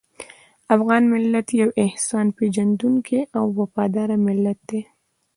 افغان ملت یو احسان پېژندونکی او وفاداره ملت دی.